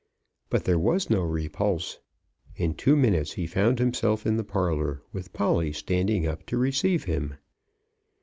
But there was no repulse. In two minutes he found himself in the parlour, with Polly standing up to receive him.